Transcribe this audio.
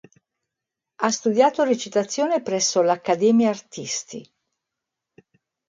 Ha studiato recitazione presso l'Accademia Artisti.